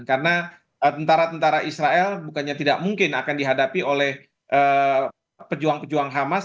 karena tentara tentara israel bukannya tidak mungkin akan dihadapi oleh pejuang pejuang hamas